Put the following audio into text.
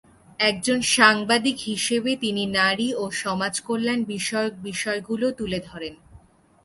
একজন সাংবাদিক হিসেবে তিনি নারী ও সমাজকল্যাণ বিষয়ক বিষয়গুলো তুলে ধরেন।